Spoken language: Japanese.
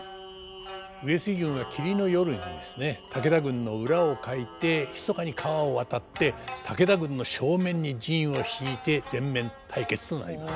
上杉軍が霧の夜にですね武田軍の裏をかいてひそかに川を渡って武田軍の正面に陣をしいて全面対決となります。